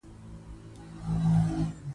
د انحصاراتو له برکته خورا شتمن شوي وو.